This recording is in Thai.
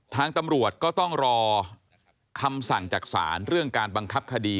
ทางตำรวจก็ต้องรอคำสั่งจากศาลเรื่องการบังคับคดี